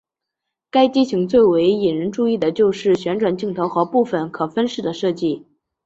该机型最为引人注意的就是旋转镜头和部件可分式的设计。